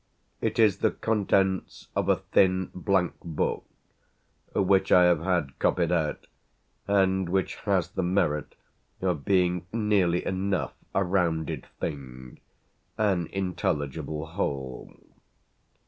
It is the contents of a thin blank book which I have had copied out and which has the merit of being nearly enough a rounded thing, an intelligible whole.